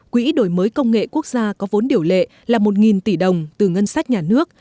quỹ đổi mới công nghệ quốc gia có vốn điều lệ là một tỷ đồng từ ngân sách nhà nước